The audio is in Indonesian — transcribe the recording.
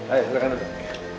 ayo silahkan duduk